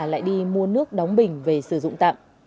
lại đi mua nước đóng bình về sử dụng tạm